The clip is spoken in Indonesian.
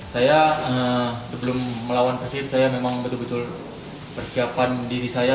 saya sebelum melawan persib saya memang betul betul persiapan diri saya